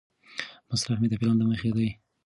مصرف مې د پلان له مخې دی.